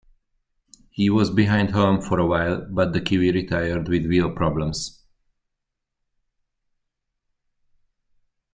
He was behind Hulme for a while, but the Kiwi retired with wheel problems.